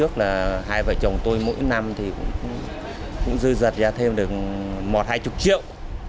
chồng tôi mỗi năm thì cũng dư dật ra thêm được một hai mươi triệu